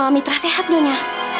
mitra sehat dunia